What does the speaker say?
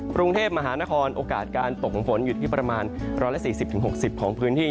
กรุงเทพมหานครโอกาสการตกของฝนอยู่ที่ประมาณ๑๔๐๖๐ของพื้นที่